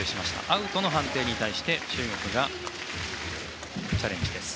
アウトの判定に対して中国がチャレンジです。